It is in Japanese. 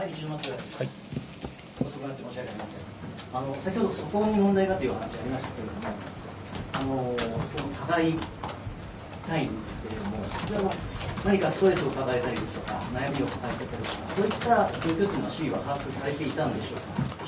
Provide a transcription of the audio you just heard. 先ほど、素行に問題がという話がありましたけれども、加害隊員ですけれども、こちらも何かストレスを抱えていたりですとか、悩みを抱えていたりですとか、そういった状況というのは周囲は把握されていたのでしょうか。